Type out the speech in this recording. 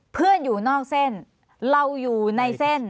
อยู่นอกเส้นเราอยู่ในเส้น